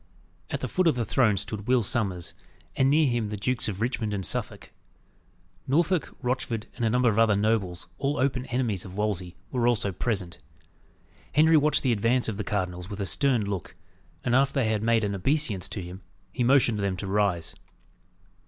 At the foot of the throne stood Will Sommers, and near him the Dukes of Richmond and Suffolk. Norfolk, Rochford, and a number of other nobles, all open enemies of Wolsey, were also present. Henry watched the advance of the cardinals with a stern look, and after they had made an obeisance to him, he motioned them to rise.